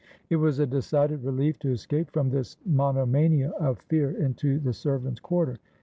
It was a decided relief to escape from this mono mania of fear into the servants' quarter.